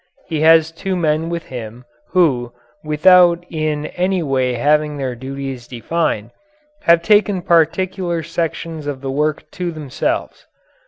He has two men with him, who, without in any way having their duties defined, have taken particular sections of the work to themselves.